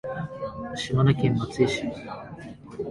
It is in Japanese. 島根県松江市